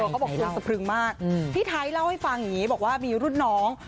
เขาบอกอึงสะพรึงมากพี่ไทยเล่าให้ฟังอย่างนี้บอกว่ามีรุ่นน้อง